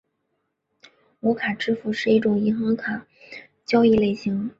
无卡支付是一种银行卡交易类型。